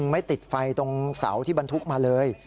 ไม่ติดไฟตรงเสาที่บรรทุกมาเลย